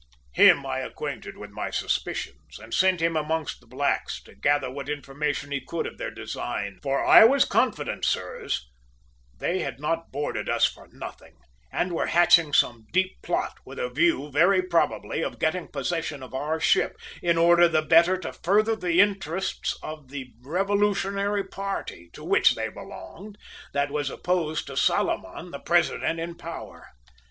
"Him I acquainted with my suspicions, and sent amongst the blacks, to gather what information he could of their designs, for I was confident, sirs, they had not boarded us for nothing, and were hatching some deep plot with a view, very probably, of getting possession of our ship in order the better to further the interests of the revolutionary party, to which they belonged, that was opposed to Salomon, the president in power.